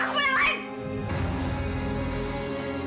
aku mau yang lain